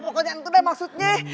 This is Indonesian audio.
pokoknya itu deh maksudnya